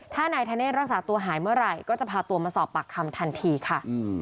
ถ้านายธเนศรักษาตัวหายเมื่อไหร่ก็จะพาตัวมาสอบปากคำทันทีค่ะ